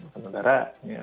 sementara ini ya